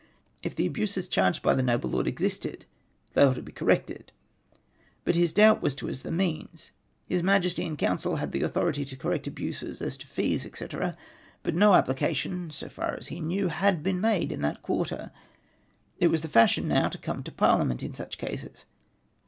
If the abuses charged by the noble lord existed, they ought to be corrected ; but his doubt was as to the means. His Majesty in Council had authority to correct abuses as to fees, &c. ; but no application, as far as he knew, had been made in that quarter. It was the fashion now to come to Parliament in such cases.